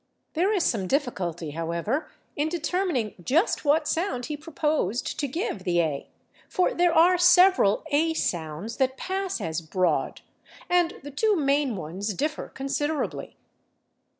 There is some difficulty, however, in determining just what sound he proposed to give the /a/, for there are several /a/ sounds that pass as broad, and the two main ones differ considerably.